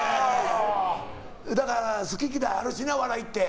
だから好き嫌いあるしなお笑いって。